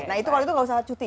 nah kalau itu nggak usah cuti ya